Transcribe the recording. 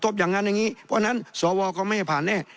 เพราะฉะนั้นสววอก็ไม่ผ่านแน่